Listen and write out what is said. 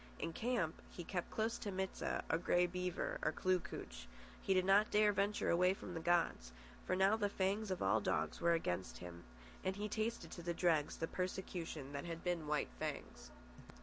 In camp he kept close to Mit sah or Grey Beaver or Kloo kooch. He did not dare venture away from the gods, for now the fangs of all dogs were against him, and he tasted to the dregs the persecution that had been White Fang's.